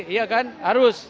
iya kan harus